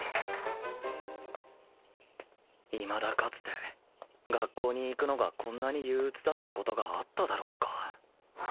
いまだかつて学校に行くのがこんなに憂鬱だった事があっただろうか